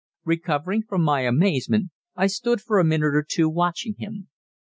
Recovering from my amazement, I stood for a minute or two watching him.